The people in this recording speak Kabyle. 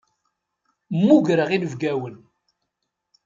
Mmugreɣ inebgawen.